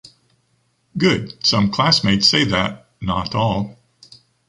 Good, some classmates say that, not all.